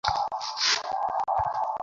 আশৈশব প্রণয়ের শেষ এই পরিণাম?